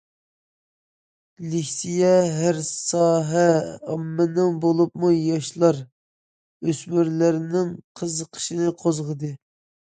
لېكسىيە ھەر ساھە ئاممىنىڭ بولۇپمۇ ياشلار، ئۆسمۈرلەرنىڭ قىزىقىشىنى قوزغىدى.